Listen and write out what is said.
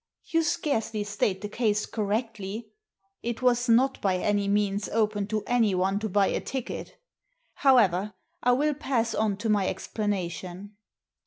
" You scarcely state the case correctly. It was not by any means open to anyone to buy a ticket. How ever, I will pass on to my explanation."